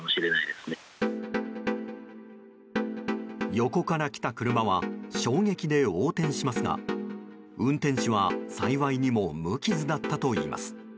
横から来た車は衝撃で横転しますが運転手は、幸いにも無傷だったといいます。